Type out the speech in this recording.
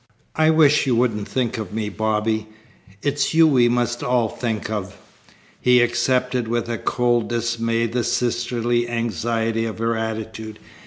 "I wish you wouldn't think of me, Bobby. It's you we must all think of." He accepted with a cold dismay the sisterly anxiety of her attitude.